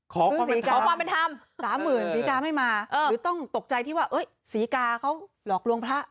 ขอความเป็นธรรมสามหมื่นศรีกาไม่มาหรือต้องตกใจที่ว่าศรีกาเขาหลอกลวงพระ